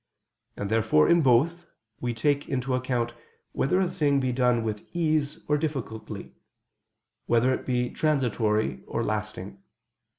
And therefore in both, we take into account whether a thing be done with ease or difficulty; whether it be transitory or lasting.